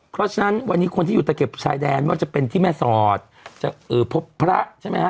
เพราะฉะนั้นวันนี้คนที่อยู่ตะเบ็บชายแดนไม่ว่าจะเป็นที่แม่สอดจะพบพระใช่ไหมฮะ